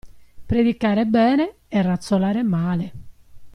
Predicare bene e razzolare male.